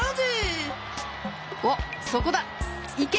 おっそこだいけ！